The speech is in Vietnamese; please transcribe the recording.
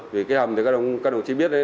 vì cái hầm thì các đồng chí biết